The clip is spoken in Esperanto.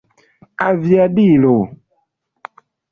aviadilo